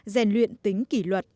rèn luyện tính kỷ luật